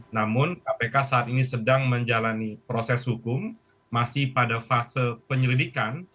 namun kpk saat ini sedang menjalani proses hukum masih pada fase penyelidikan